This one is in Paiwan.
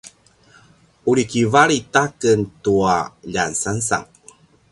muri kivalit aken tua ljansansan